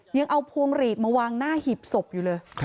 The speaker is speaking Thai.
ยังเอาพวงหลีดมาวางหน้าหีบศพอยู่เลย